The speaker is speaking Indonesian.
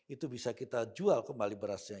itu bisa kita jual kembali berasnya